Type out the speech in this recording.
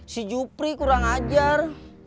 si jupri kurang ajar